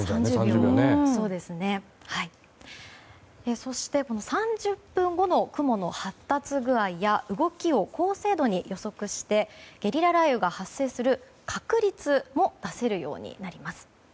そして３０分後の雲の発達具合や動きを高精度に予測してゲリラ雷雨が発生する確率も出せるようになります。